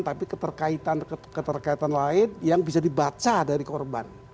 tapi keterkaitan keterkaitan lain yang bisa dibaca dari korban